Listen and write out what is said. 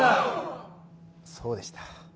そうでした。